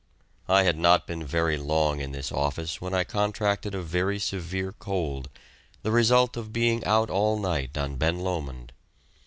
I had not been very long in this office when I contracted a very severe cold, the result of being out all night on Ben Lomond.